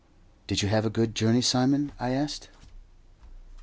"Did you have a good journey, Simon?" I asked.